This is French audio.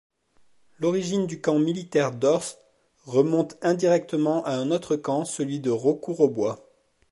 L'origine du Camp Militaire d'Ors remonte indirectement à un autre camp, celui de Raucourt-au-Bois.